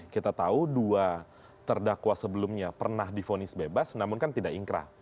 kita tahu dua terdakwa sebelumnya pernah difonis bebas namun kan tidak ingkrah